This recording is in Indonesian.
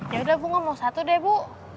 ya udah bu ngomong satu deh bu